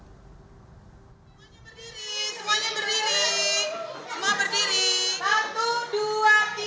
semuanya berdiri semuanya berdiri